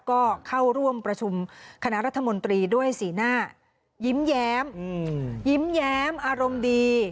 ก็เข้าร่วมประชุมคณะรัฐมนตรีด้วยสีหน้ายิ้มแย้มยิ้มแย้มอารมณ์ดี